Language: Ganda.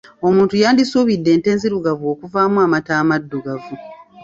Omuntu yandisuubidde ente enzirugavu okuvaamu amata amaddugavu.